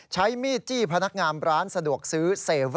ใช้มีดจี้พนักงานร้านสะดวกซื้อ๗๑๑